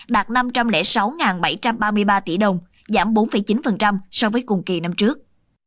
đạt năm trăm linh sáu bảy trăm ba mươi ba tỷ đồng giảm bốn chín so với cùng kỳ năm trước